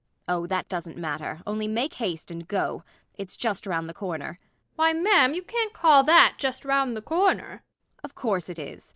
Oh, that doesn't matter; only make haste and go. It's just round the corner. THE MAID. Why, ma'am you can't call that just round the corner! MRS. BORKMAN. Of course it is.